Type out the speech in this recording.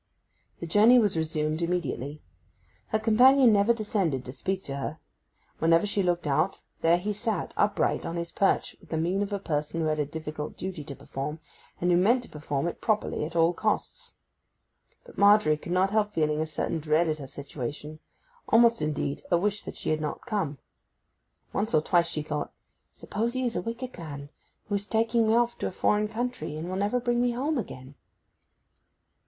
The journey was resumed immediately. Her companion never descended to speak to her; whenever she looked out there he sat upright on his perch, with the mien of a person who had a difficult duty to perform, and who meant to perform it properly at all costs. But Margery could not help feeling a certain dread at her situation—almost, indeed, a wish that she had not come. Once or twice she thought, 'Suppose he is a wicked man, who is taking me off to a foreign country, and will never bring me home again.